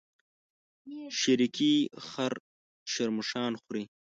شريکي خر شرمښآن خوري.